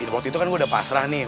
waktu itu kan udah pasrah nih